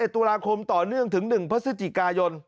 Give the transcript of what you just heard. ๓๑ตุลาคมต่อเนื่องถึง๑พย